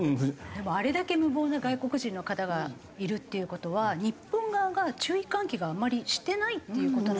でもあれだけ無謀な外国人の方がいるっていう事は日本側が注意喚起をあまりしてないっていう事なんですかね？